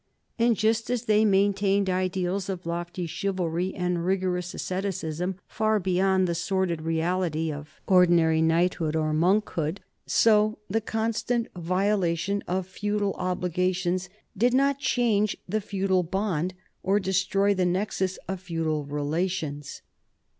And just as they maintained ideals of lofty chivalry and rigorous asceticism far beyond the sordid reality of ordinary knighthood or monkhood, so the constant vio lation of feudal obligations did not change the feudal bond or destroy the nexus of feudal relations.